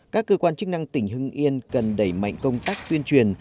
các cơ quan chức năng tỉnh hưng yên cần đẩy mạnh công tác tuyên truyền